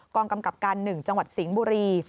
กำกับการ๑จังหวัดสิงห์บุรี